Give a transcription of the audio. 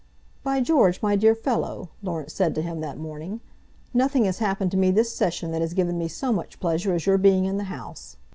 "By George, my dear fellow," Laurence said to him that morning, "nothing has happened to me this session that has given me so much pleasure as your being in the House.